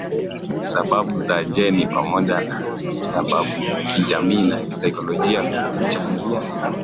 sababu za jeni pamoja na sababukijamii na kisaikolojia huchangia